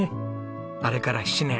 あれから７年。